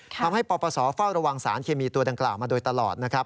ปปศเฝ้าระวังสารเคมีตัวดังกล่าวมาโดยตลอดนะครับ